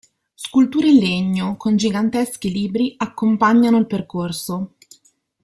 Sculture in legno, con giganteschi libri accompagnano il percorso.